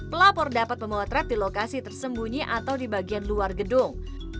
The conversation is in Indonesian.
pelapor dapat memotret di lokasi tersembunyi atau di bagian luar gedung